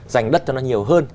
dành đất cho nó nhiều hơn